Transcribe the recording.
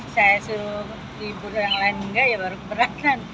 saya suruh diburu yang lain enggak ya baru keberatan